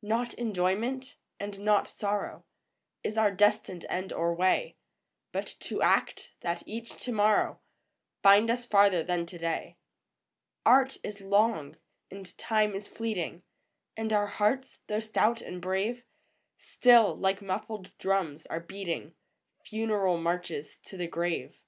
VOICES OF THE NIGHT. Not enjoyment, and not sorrow, Is our destined end or way ; But to act, that each to morrow Find us farther than to day. Art is long, and Time is fleeting, And our hearts, though stout and brave, Still, like muffled drums, are beating Funeral marches to the grave.